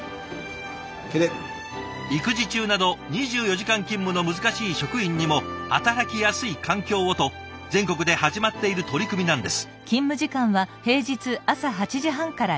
育児中など２４時間勤務の難しい職員にも働きやすい環境をと全国で始まっている取り組みなんです。